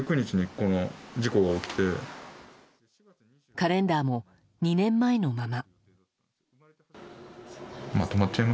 カレンダーも２年前のまま。